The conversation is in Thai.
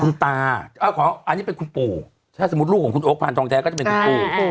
คุณตาอันนี้เป็นคุณปู่ถ้าสมมุติลูกของคุณโอ๊คพานทองแท้ก็จะเป็นคุณปู่